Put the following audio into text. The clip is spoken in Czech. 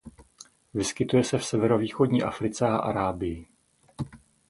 Vyskytuje se v severovýchodní Africe a Arábii.